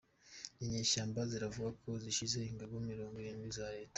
Inyeshyamba ziravuga ko zishe ingabo mirongo irindwi za Leta